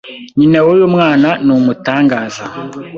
Nyina wuyu mwana ni umutangaza.